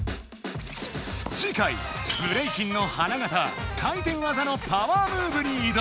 次回ブレイキンの花形回転技のパワームーブにいどむ！